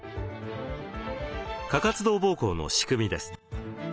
過活動膀胱の仕組みです。